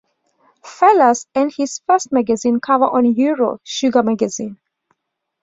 Fellers earned his first magazine cover on Euro Sugar magazine.